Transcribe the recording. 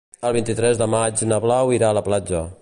El vint-i-tres de maig na Blau irà a la platja.